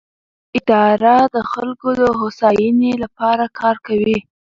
اداره د خلکو د هوساینې لپاره کار کوي.